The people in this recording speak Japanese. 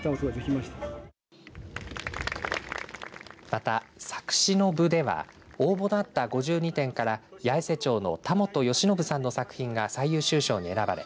また、作詞の部では応募のあった５２点から八重瀬町の田本佳信さんの作品が最優秀賞に選ばれ